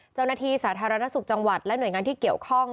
เจ้าหน้าที่สาธารณสุขจังหวัดและหน่วยงานที่เกี่ยวข้อง